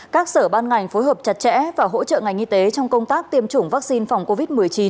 các sở ban ngành phối hợp chặt chẽ và hỗ trợ ngành y tế trong công tác tiêm chủng vaccine phòng covid một mươi chín